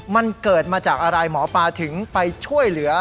มันเกิดมาจากอะไรหมอปลาถึงไปช่วยเหลือ